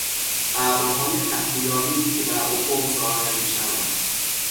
ابرهای تهدید آمیزی که برافق ظاهر میشوند